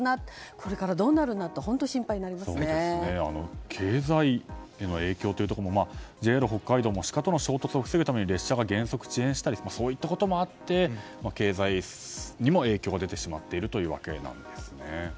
これからどうなるんだと経済への影響というところもＪＲ北海道もシカとの衝突を防ぐために列車が減速して遅延したりとそういったこともあって経済にも影響が出てしまっているというわけなんですね。